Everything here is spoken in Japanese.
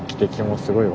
すごいわ。